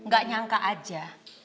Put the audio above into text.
gak nyangka aja